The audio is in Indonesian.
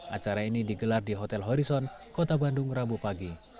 acara ini digelar di hotel horison kota bandung rabu pagi